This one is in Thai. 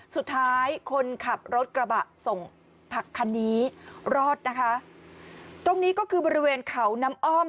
สุดท้ายคนขับรถกระบะส่งผักคันนี้รอดนะคะตรงนี้ก็คือบริเวณเขาน้ำอ้อม